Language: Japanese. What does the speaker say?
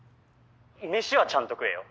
飯はちゃんと食えよ。